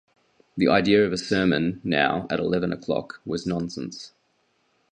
The idea of a sermon, now, at eleven o'clock, was nonsense.